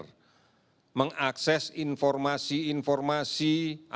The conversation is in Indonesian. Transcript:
dan mengakses informasi informasi yang benar